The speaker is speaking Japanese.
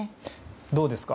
どうですか？